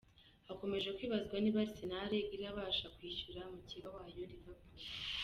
Hakomeje kwibazwa niba Arsenal irabasha kwishyura mukeba wayo Liverpool.